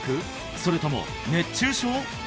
それとも熱中症？